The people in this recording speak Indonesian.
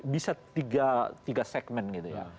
bisa tiga segmen gitu ya